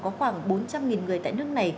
có khoảng bốn trăm linh người tại nước này